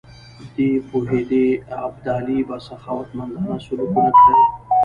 دی پوهېدی ابدالي به سخاوتمندانه سلوک ونه کړي.